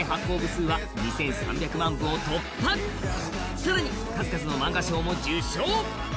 更に数々の漫画賞も受賞。